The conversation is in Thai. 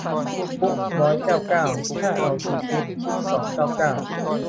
บุฟร้อยเก้าเก้า ถ้าเอาซีฟู้ดคิดสองเก้าเก้า